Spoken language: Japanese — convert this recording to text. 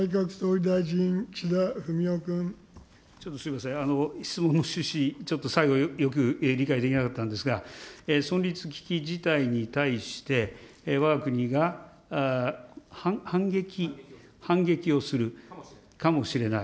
すみません、質問の趣旨、ちょっと最後、よく理解できなかったんですが、存立危機事態に対して、わが国が反撃をするかもしれない。